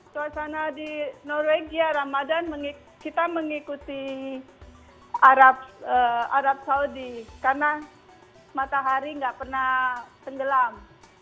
suasana di norwegia ramadan kita mengikuti arab saudi karena matahari nggak pernah tenggelam